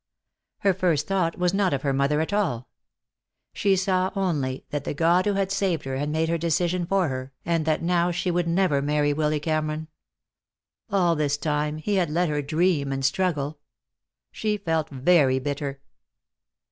Her first thought was not of her mother at all. She saw only that the God who had saved her had made her decision for her, and that now she would never marry Willy Cameron. All this time He had let her dream and struggle. She felt very bitter.